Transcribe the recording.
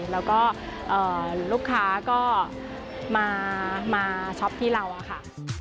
แล้วก็ลูกค้าก็มาช็อปที่เราค่ะ